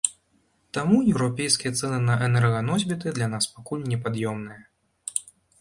Таму еўрапейскія цэны на энерганосьбіты для нас пакуль непад'ёмныя.